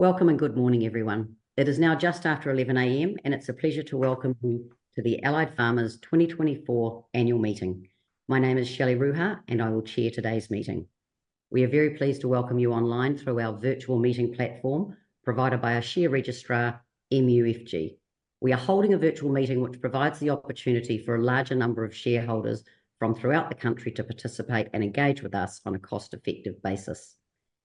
Welcome and good morning, everyone. It is now just after 11:00 A.M., and it's a pleasure to welcome you to the Allied Farmers 2024 annual meeting. My name is Shelley Ruha, and I will chair today's meeting. We are very pleased to welcome you online through our virtual meeting platform provided by our share registrar, MUFG. We are holding a virtual meeting which provides the opportunity for a larger number of shareholders from throughout the country to participate and engage with us on a cost-effective basis.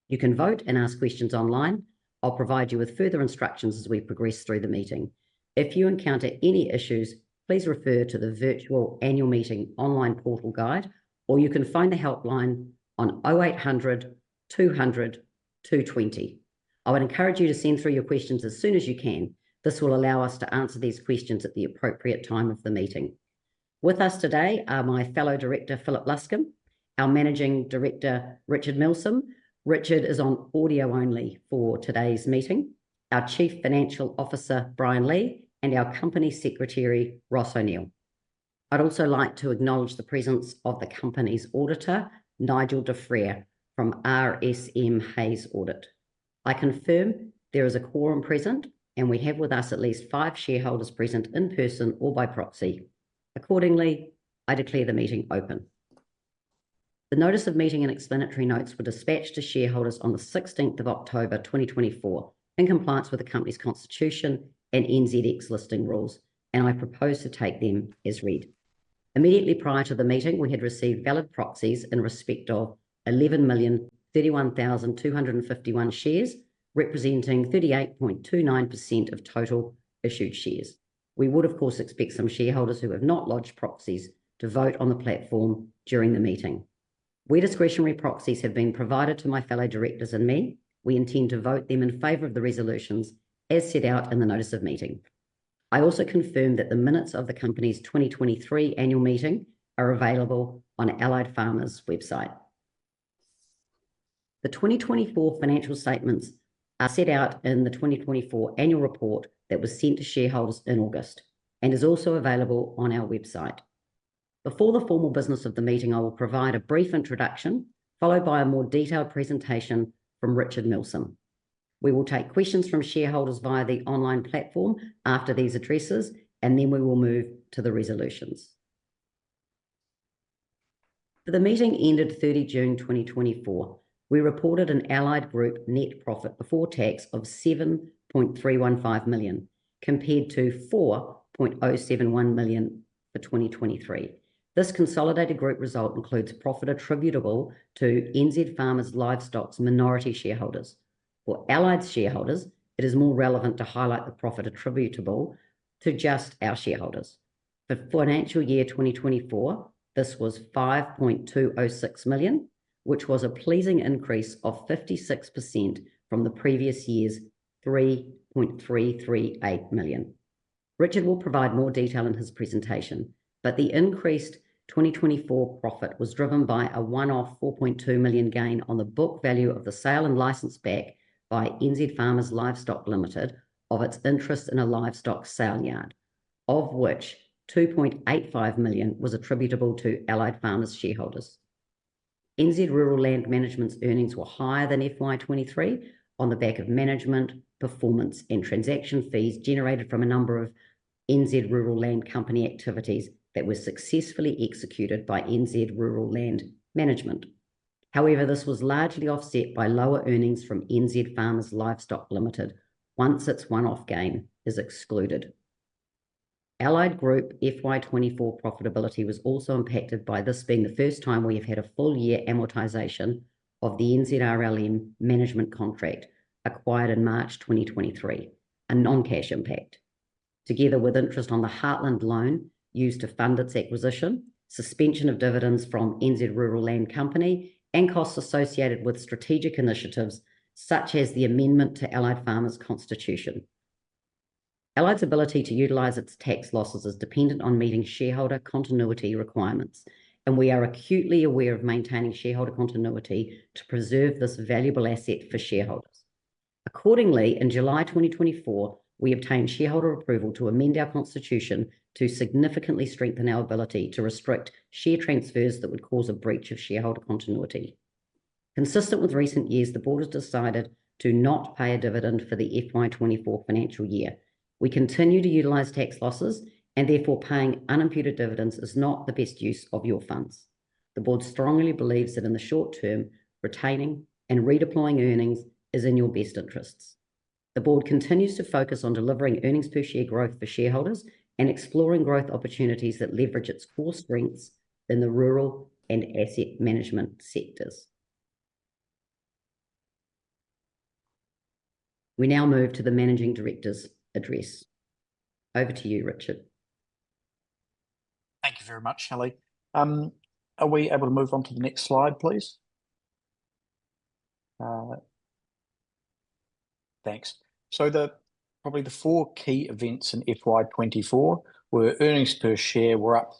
You can vote and ask questions online. I'll provide you with further instructions as we progress through the meeting. If you encounter any issues, please refer to the Virtual Annual Meeting Online Portal Guide, or you can find the helpline on 0800 200 220. I would encourage you to send through your questions as soon as you can. This will allow us to answer these questions at the appropriate time of the meeting. With us today are my fellow director, Philip Luscombe. Our Managing Director, Richard Milsom. Richard is on audio only for today's meeting. Our Chief Financial Officer, Brian Li, and our Company Secretary, Ross O'Neill. I'd also like to acknowledge the presence of the company's auditor, Nigel de Frere, from RSM Hayes Audit. I confirm there is a quorum present, and we have with us at least five shareholders present in person or by proxy. Accordingly, I declare the meeting open. The notice of meeting and explanatory notes were dispatched to shareholders on the 16th of October 2024, in compliance with the company's constitution and NZX listing rules, and I propose to take them as read. Immediately prior to the meeting, we had received valid proxies in respect of 11,031,251 shares, representing 38.29% of total issued shares. We would, of course, expect some shareholders who have not lodged proxies to vote on the platform during the meeting. Where discretionary proxies have been provided to my fellow directors and me. We intend to vote them in favor of the resolutions as set out in the notice of meeting. I also confirm that the minutes of the company's 2023 annual meeting are available on Allied Farmers' website. The 2024 financial statements are set out in the 2024 annual report that was sent to shareholders in August and is also available on our website. Before the formal business of the meeting, I will provide a brief introduction followed by a more detailed presentation from Richard Milsom. We will take questions from shareholders via the online platform after these addresses, and then we will move to the resolutions. The meeting ended 30 June 2024. We reported an Allied Group net profit before tax of 7.315 million, compared to 4.071 million for 2023. This consolidated group result includes profit attributable to NZ Farmers Livestock's minority shareholders. For Allied shareholders, it is more relevant to highlight the profit attributable to just our shareholders. For financial year 2024, this was 5.206 million, which was a pleasing increase of 56% from the previous year's 3.338 million. Richard will provide more detail in his presentation, but the increased 2024 profit was driven by a one-off 4.2 million gain on the book value of the sale and leaseback by NZ Farmers Livestock Limited of its interest in a livestock sale yard, of which 2.85 million was attributable to Allied Farmers shareholders. NZ Rural Land Management's earnings were higher than FY 2023 on the back of management, performance, and transaction fees generated from a number of NZ Rural Land Company activities that were successfully executed by NZ Rural Land Management. However, this was largely offset by lower earnings from NZ Farmers Livestock Limited, once its one-off gain is excluded. Allied Farmers FY 2024 profitability was also impacted by this being the first time we have had a full-year amortization of the NZRLM management contract acquired in March 2023, a non-cash impact, together with interest on the Heartland loan used to fund its acquisition, suspension of dividends from NZ Rural Land Company, and costs associated with strategic initiatives such as the amendment to Allied Farmers Constitution. Allied's ability to utilize its tax losses is dependent on meeting shareholder continuity requirements, and we are acutely aware of maintaining shareholder continuity to preserve this valuable asset for shareholders. Accordingly, in July 2024, we obtained shareholder approval to amend our constitution to significantly strengthen our ability to restrict share transfers that would cause a breach of shareholder continuity. Consistent with recent years, the board has decided to not pay a dividend for the FY 2024 financial year. We continue to utilize tax losses, and therefore paying unimputed dividends is not the best use of your funds. The board strongly believes that in the short term, retaining and redeploying earnings is in your best interests. The board continues to focus on delivering earnings per share growth for shareholders and exploring growth opportunities that leverage its core strengths in the rural and asset management sectors. We now move to the Managing Director's address. Over to you, Richard. Thank you very much, Shelley. Are we able to move on to the next slide, please? Thanks. So probably the four key events in FY 2024 were earnings per share were up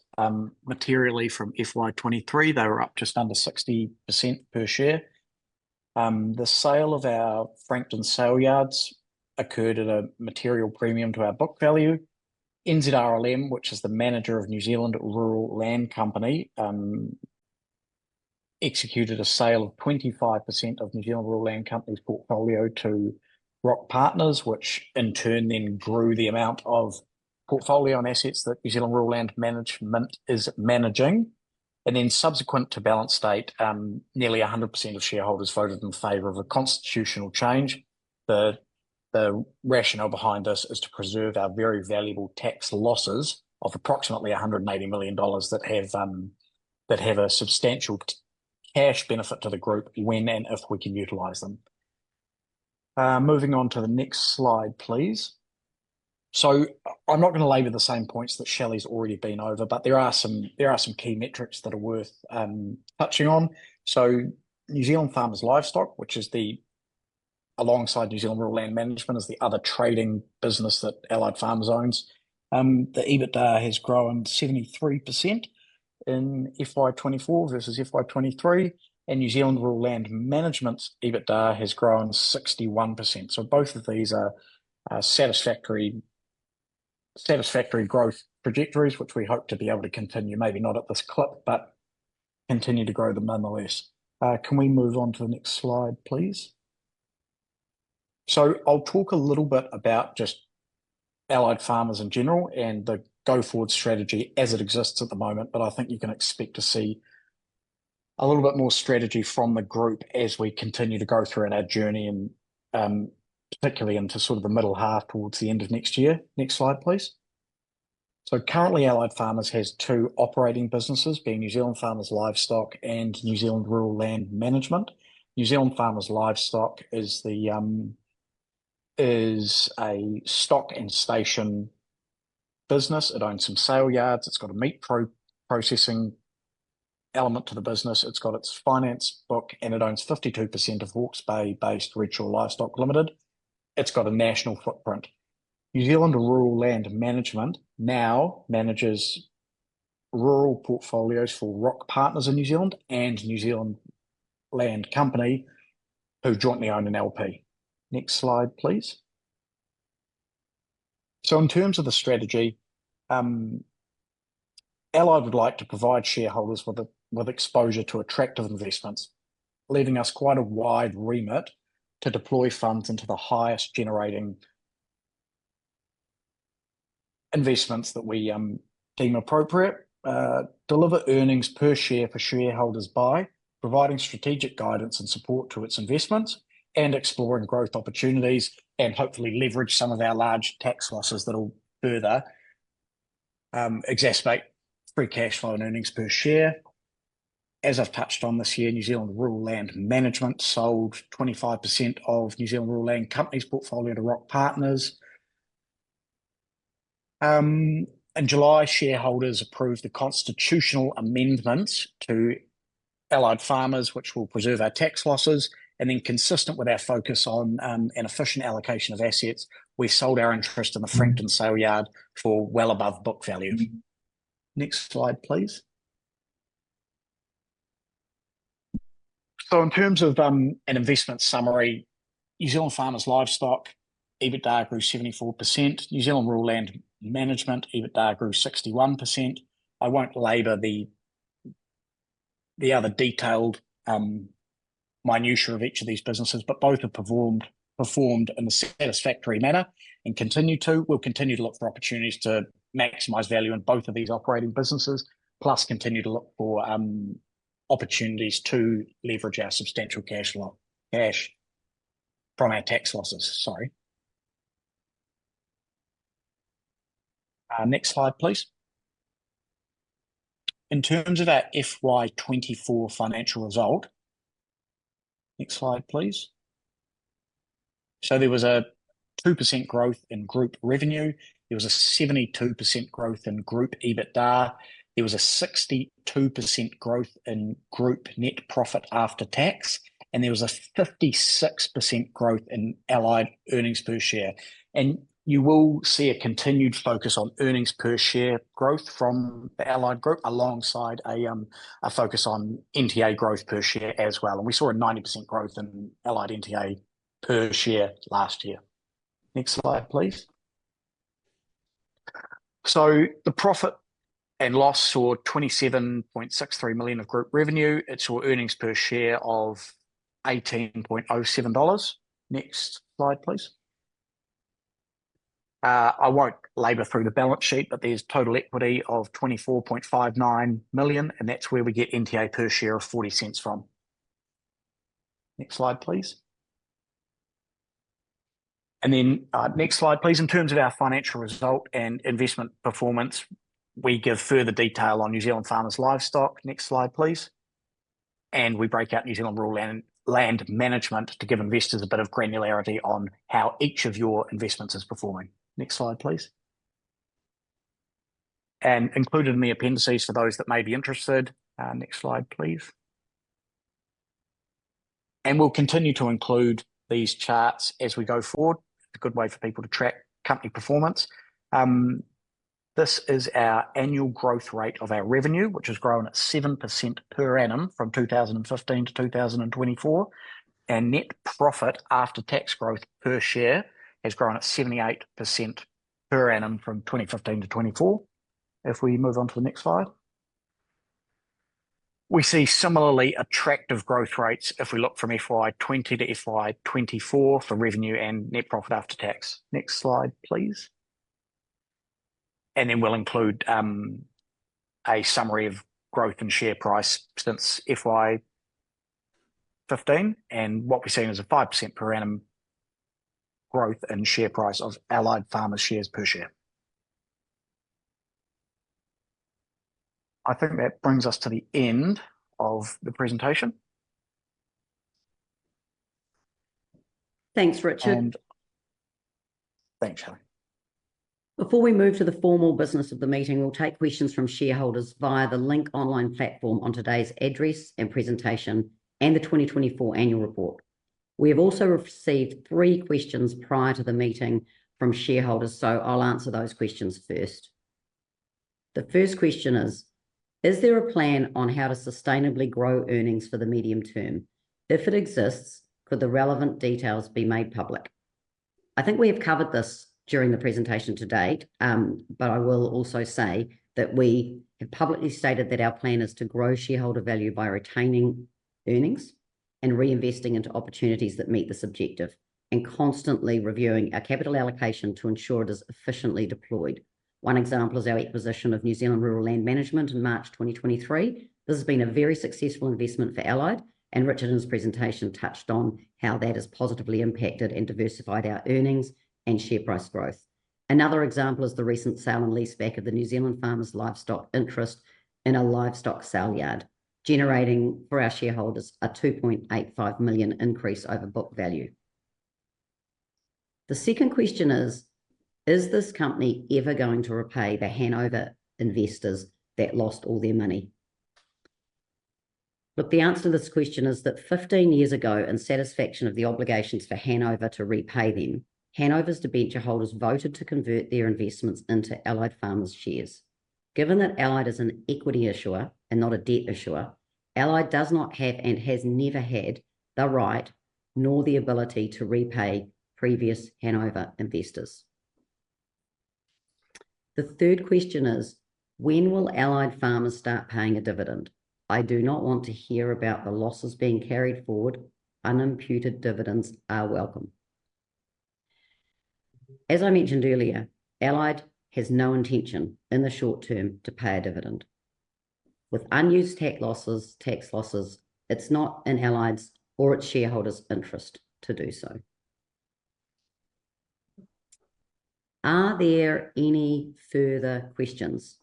materially from FY 2023. They were up just under 60% per share. The sale of our Frankton Saleyards occurred at a material premium to our book value. NZRLM, which is the manager of New Zealand Rural Land Company, executed a sale of 25% of New Zealand Rural Land Company's portfolio to Roc Partners, which in turn then grew the amount of portfolio and assets that New Zealand Rural Land Management is managing. And then subsequent to balance date, nearly 100% of shareholders voted in favor of a constitutional change. The rationale behind this is to preserve our very valuable tax losses of approximately 180 million dollars that have a substantial cash benefit to the group when and if we can utilize them. Moving on to the next slide, please. So I'm not going to labor the same points that Shelley's already been over, but there are some key metrics that are worth touching on. So New Zealand Farmers Livestock, which is alongside New Zealand Rural Land Management, is the other trading business that Allied Farmers owns. The EBITDA has grown 73% in FY 2024 versus FY 2023, and New Zealand Rural Land Management's EBITDA has grown 61%. So both of these are satisfactory growth trajectories, which we hope to be able to continue, maybe not at this clip, but continue to grow them nonetheless. Can we move on to the next slide, please? So I'll talk a little bit about just Allied Farmers in general and the go-forward strategy as it exists at the moment, but I think you can expect to see a little bit more strategy from the group as we continue to go through our journey and particularly into sort of the middle half towards the end of next year. Next slide, please. So currently, Allied Farmers has two operating businesses, being New Zealand Farmers Livestock and New Zealand Rural Land Management. New Zealand Farmers Livestock is a stock and station business. It owns some sale yards. It's got a meat processing element to the business. It's got its finance book, and it owns 52% of Hawke's Bay-based Redshaw Livestock Limited. It's got a national footprint. New Zealand Rural Land Management now manages rural portfolios for Roc Partners in New Zealand and New Zealand Rural Land Company, who jointly own an LP. Next slide, please. In terms of the strategy, Allied would like to provide shareholders with exposure to attractive investments, leaving us quite a wide remit to deploy funds into the highest-generating investments that we deem appropriate, deliver earnings per share for shareholders by providing strategic guidance and support to its investments, and exploring growth opportunities and hopefully leverage some of our large tax losses that will further exacerbate free cash flow and earnings per share. As I've touched on this year, New Zealand Rural Land Management sold 25% of New Zealand Rural Land Company's portfolio to Roc Partners. In July, shareholders approved the constitutional amendments to Allied Farmers, which will preserve our tax losses. And then consistent with our focus on an efficient allocation of assets, we sold our interest in the Frankton sale yard for well above book value. Next slide, please. So in terms of an investment summary, New Zealand Farmers Livestock EBITDA grew 74%. New Zealand Rural Land Management EBITDA grew 61%. I won't labor the other detailed minutia of each of these businesses, but both have performed in a satisfactory manner and continue to. We'll continue to look for opportunities to maximize value in both of these operating businesses, plus continue to look for opportunities to leverage our substantial cash from our tax losses. Sorry. Next slide, please. In terms of our FY 2024 financial result, next slide, please. So there was a 2% growth in group revenue. There was a 72% growth in group EBITDA. There was a 62% growth in group net profit after tax, and there was a 56% growth in Allied earnings per share. And you will see a continued focus on earnings per share growth from the Allied group alongside a focus on NTA growth per share as well. And we saw a 90% growth in Allied NTA per share last year. Next slide, please. So the profit and loss saw 27.63 million of group revenue. It saw earnings per share of 18.07 dollars. Next slide, please. I won't labor through the balance sheet, but there's total equity of 24.59 million, and that's where we get NTA per share of 0.40 from. Next slide, please. And then next slide, please. In terms of our financial result and investment performance, we give further detail on New Zealand Farmers Livestock. Next slide, please. And we break out New Zealand Rural Land Management to give investors a bit of granularity on how each of your investments is performing. Next slide, please. And included in the appendices for those that may be interested. Next slide, please. And we'll continue to include these charts as we go forward. It's a good way for people to track company performance. This is our annual growth rate of our revenue, which has grown at 7% per annum from 2015 to 2024. And net profit after tax growth per share has grown at 78% per annum from 2015 to 2024. If we move on to the next slide, we see similarly attractive growth rates if we look from FY 2020 to FY 2024 for revenue and net profit after tax. Next slide, please. And then we'll include a summary of growth and share price since FY 2015 and what we're seeing as a 5% per annum growth in share price of Allied Farmers shares per share. I think that brings us to the end of the presentation. Thanks, Richard. Thanks, Shelley. Before we move to the formal business of the meeting, we'll take questions from shareholders via the Link online platform on today's address and presentation and the 2024 annual report. We have also received three questions prior to the meeting from shareholders, so I'll answer those questions first. The first question is, is there a plan on how to sustainably grow earnings for the medium term? If it exists, could the relevant details be made public? I think we have covered this during the presentation to date, but I will also say that we have publicly stated that our plan is to grow shareholder value by retaining earnings and reinvesting into opportunities that meet the objectives and constantly reviewing our capital allocation to ensure it is efficiently deployed. One example is our acquisition of New Zealand Rural Land Management in March 2023. This has been a very successful investment for Allied, and Richard in his presentation touched on how that has positively impacted and diversified our earnings and share price growth. Another example is the recent sale and lease back of the New Zealand Farmers Livestock interest in a livestock sale yard, generating for our shareholders a 2.85 million increase over book value. The second question is, is this company ever going to repay the Hanover investors that lost all their money? Look, the answer to this question is that 15 years ago, in satisfaction of the obligations for Hanover to repay them, Hanover's debenture holders voted to convert their investments into Allied Farmers shares. Given that Allied is an equity issuer and not a debt issuer, Allied does not have and has never had the right nor the ability to repay previous Hanover investors. The third question is, when will Allied Farmers start paying a dividend? I do not want to hear about the losses being carried forward. Unimputed dividends are welcome. As I mentioned earlier, Allied has no intention in the short term to pay a dividend. With unused tax losses, it's not in Allied's or its shareholders' interest to do so. Are there any further questions?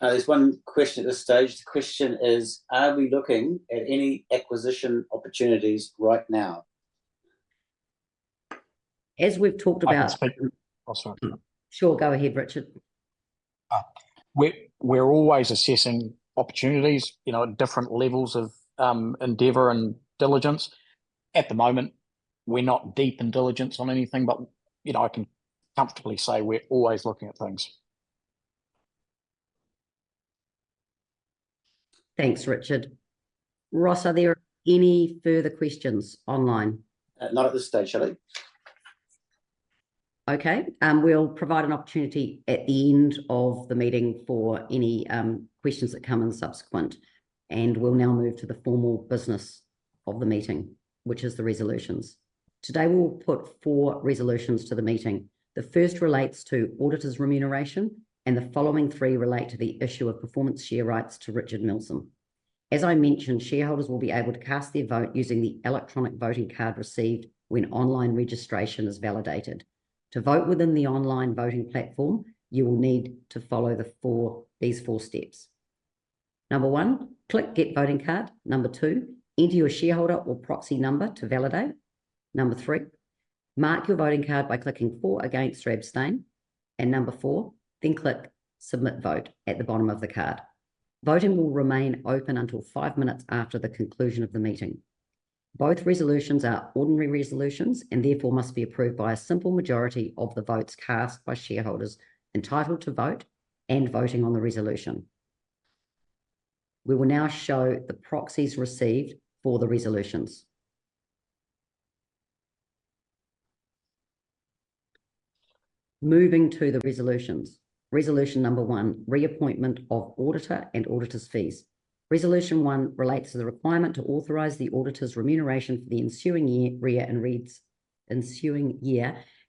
There's one question at this stage. The question is, are we looking at any acquisition opportunities right now? As we've talked about. I'll speak. Sure, go ahead, Richard. We're always assessing opportunities at different levels of endeavor and diligence. At the moment, we're not deep in diligence on anything, but I can comfortably say we're always looking at things. Thanks, Richard. Ross, are there any further questions online? Not at this stage, Shelley. Okay. We'll provide an opportunity at the end of the meeting for any questions that come in subsequently, and we'll now move to the formal business of the meeting, which is the resolutions. Today, we'll put four resolutions to the meeting. The first relates to auditors' remuneration, and the following three relate to the issue of performance rights to Richard Milsom. As I mentioned, shareholders will be able to cast their vote using the electronic voting card received when online registration is validated. To vote within the online voting platform, you will need to follow these four steps. Number one, click "Get Voting Card." Number two, enter your shareholder or proxy number to validate. Number three, mark your voting card by clicking "For", "Against" or "Abstain." And number four, then click "Submit Vote" at the bottom of the card. Voting will remain open until five minutes after the conclusion of the meeting. Both resolutions are ordinary resolutions and therefore must be approved by a simple majority of the votes cast by shareholders entitled to vote and voting on the resolution. We will now show the proxies received for the resolutions. Moving to the resolutions. Resolution number one, reappointment of auditor and auditor's fees. Resolution one relates to the requirement to authorize the auditor's remuneration for the ensuing year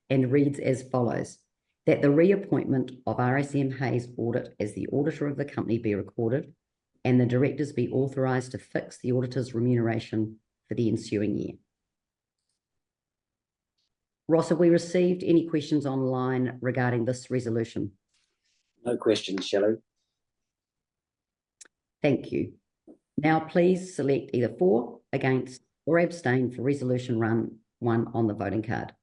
and reads as follows, that the reappointment of RSM Hayes Audit as the auditor of the company be recorded and the directors be authorized to fix the auditor's remuneration for the ensuing year. Ross, have we received any questions online regarding this resolution? No questions, Shelley. Thank you. Now, please select either "For", against, or abstain for resolution one on the voting card.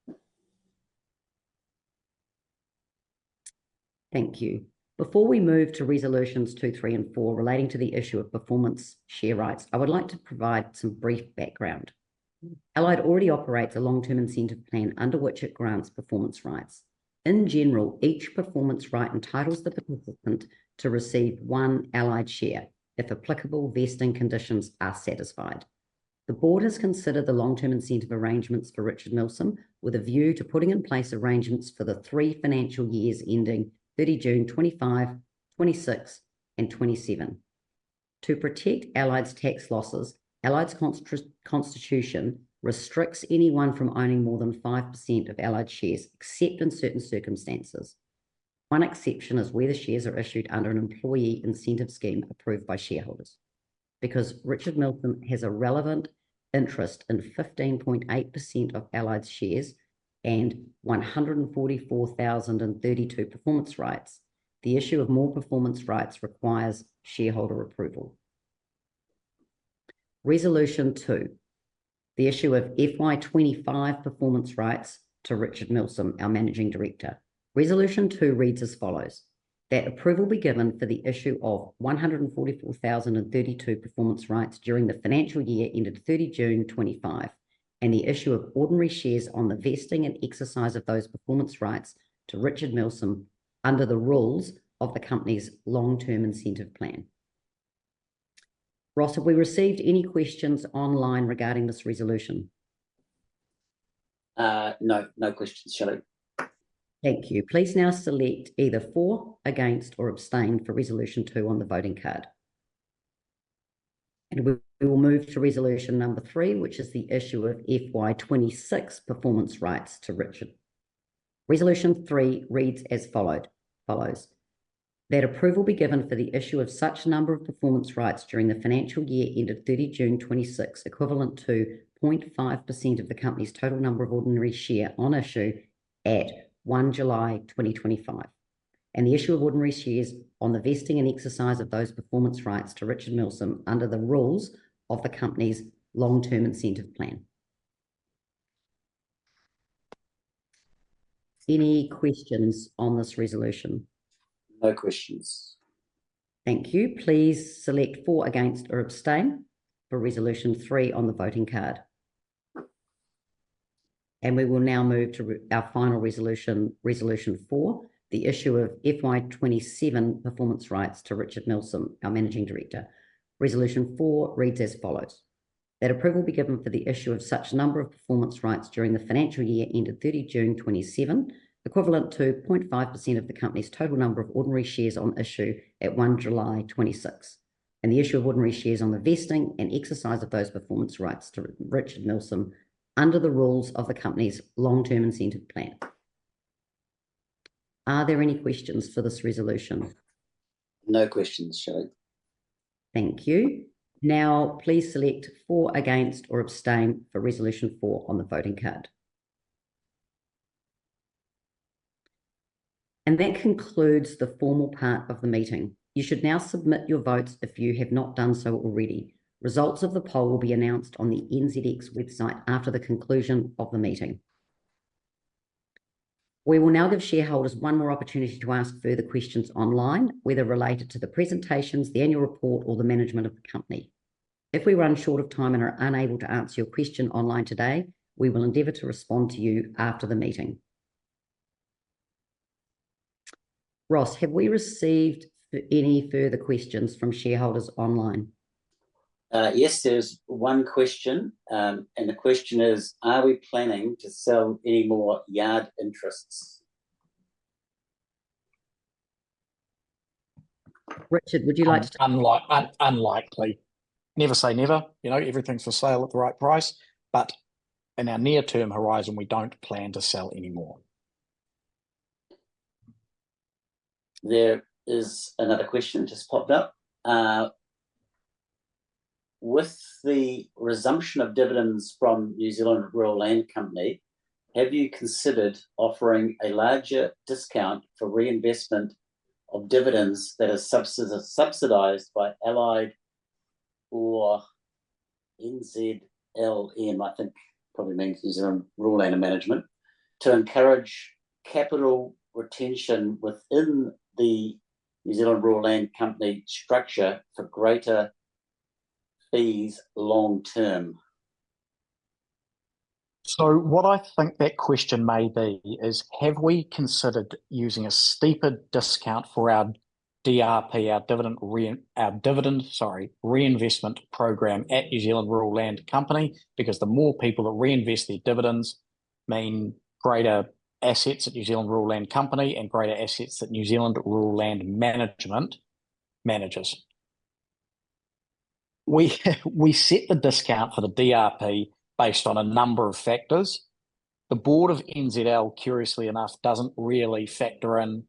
Thank you. Before we move to resolutions two, three, and four relating to the issue of performance rights, I would like to provide some brief background. Allied already operates a long-term incentive plan under which it grants performance rights. In general, each performance right entitles the participant to receive one Allied share if applicable vesting conditions are satisfied. The board has considered the long-term incentive arrangements for Richard Milsom with a view to putting in place arrangements for the three financial years ending 30 June 2025, 2026, and 2027. To protect Allied's tax losses, Allied's constitution restricts anyone from owning more than 5% of Allied shares except in certain circumstances. One exception is where the shares are issued under an employee incentive scheme approved by shareholders. Because Richard Milsom has a relevant interest in 15.8% of Allied's shares and 144,032 performance rights, the issue of more performance rights requires shareholder approval. Resolution two, the issue of FY 2025 performance rights to Richard Milsom, our Managing Director. Resolution two reads as follows, that approval be given for the issue of 144,032 performance rights during the financial year ended 30 June 2025, and the issue of ordinary shares on the vesting and exercise of those performance rights to Richard Milsom under the rules of the company's long-term incentive plan. Ross, have we received any questions online regarding this resolution? No. No questions, Shelley. Thank you. Please now select either "For" against or abstain for resolution two on the voting card, and we will move to resolution number three, which is the issue of FY 2026 performance rights to Richard Milsom. Resolution three reads as follows, that approval be given for the issue of such number of performance rights during the financial year ended 30 June 2026, equivalent to 0.5% of the company's total number of ordinary shares on issue at 1 July 2025. And the issue of ordinary shares on the vesting and exercise of those performance rights to Richard Milsom under the rules of the company's long-term incentive plan. Any questions on this resolution? No questions. Thank you. Please select "For" against or abstain for resolution three on the voting card. And we will now move to our final resolution, resolution four, the issue of FY 2027 performance rights to Richard Milsom, our managing director. Resolution four reads as follows, that approval be given for the issue of such number of performance rights during the financial year ended 30 June 2027, equivalent to 0.5% of the company's total number of ordinary shares on issue at 1 July 2026. And the issue of ordinary shares on the vesting and exercise of those performance rights to Richard Milsom under the rules of the company's long-term incentive plan. Are there any questions for this resolution? No questions, Shelley. Thank you. Now, please select "For", against or abstain for resolution four on the voting card, and that concludes the formal part of the meeting. You should now submit your votes if you have not done so already. Results of the poll will be announced on the NZX website after the conclusion of the meeting. We will now give shareholders one more opportunity to ask further questions online, whether related to the presentations, the annual report, or the management of the company. If we run short of time and are unable to answer your question online today, we will endeavor to respond to you after the meeting. Ross, have we received any further questions from shareholders online? Yes, there's one question, and the question is, are we planning to sell any more yard interests? Richard, would you like to? Unlikely. Never say never. Everything's for sale at the right price. But in our near-term horizon, we don't plan to sell anymore. There is another question just popped up. With the resumption of dividends from New Zealand Rural Land Company, have you considered offering a larger discount for reinvestment of dividends that are subsidized by Allied or NZLM, I think probably means New Zealand Rural Land Management, to encourage capital retention within the New Zealand Rural Land Company structure for greater fees long-term? So what I think that question may be is, have we considered using a steeper discount for our DRP, our dividend, sorry, reinvestment program at New Zealand Rural Land Company? Because the more people that reinvest their dividends mean greater assets at New Zealand Rural Land Company and greater assets that New Zealand Rural Land Management manages. We set the discount for the DRP based on a number of factors. The board of NZL, curiously enough, doesn't really factor in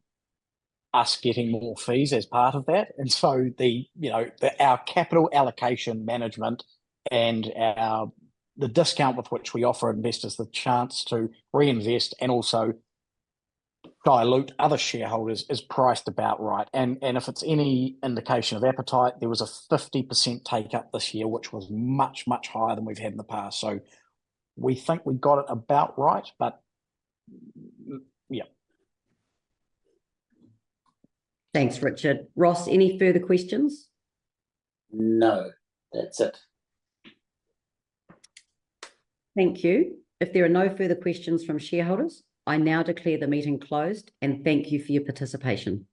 us getting more fees as part of that. And so our capital allocation management and the discount with which we offer investors the chance to reinvest and also dilute other shareholders is priced about right. And if it's any indication of appetite, there was a 50% take-up this year, which was much, much higher than we've had in the past. So we think we got it about right, but yeah. Thanks, Richard. Ross, any further questions? No. That's it. Thank you. If there are no further questions from shareholders, I now declare the meeting closed and thank you for your participation.